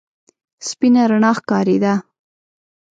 سپينه رڼا ښکارېده.